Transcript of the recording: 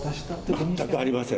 全くありません。